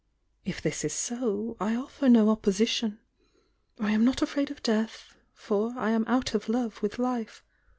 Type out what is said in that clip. If this is so, I offer no opposition. I am not afraid of death — for I am out of love with life.